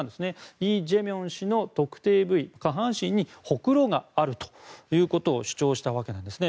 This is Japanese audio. イ・ジェミョン氏の特定部位下半身にほくろがあるということを主張したわけなんですね。